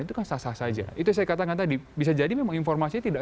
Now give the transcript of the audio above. itu kan sah sah saja itu yang saya katakan tadi